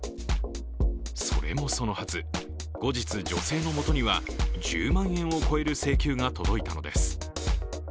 それもそのはず、後日、女性の元には１０万円を超える請求が届いたのです。